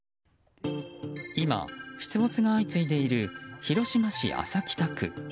今、出没が相次いでいる広島市安佐北区。